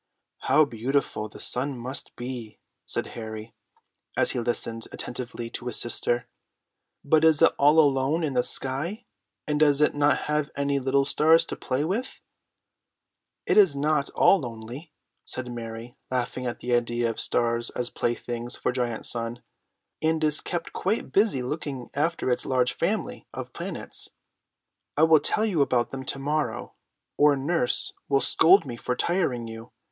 "How beautiful the sun must be!" said Harry, as he listened attentively to his sister. "But is it all alone in the sky, and does it not have any little stars to play with?" "It is not at all lonely," said Mary, laughing at the idea of the stars as playthings for Giant Sun, "and is kept quite busy looking after its large family of planets. I will tell you about them to morrow, or nurse will scold me for tiring you.